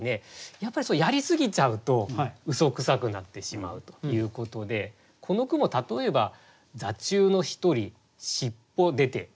やっぱりやりすぎちゃうとうそくさくなってしまうということでこの句も例えば「座中の一人尻尾出て」とかね。